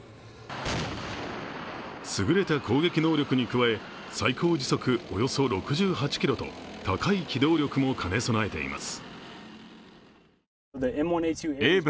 すぐれた攻撃能力に加え最高時速およそ６８キロと高い機動力も兼ね備えています。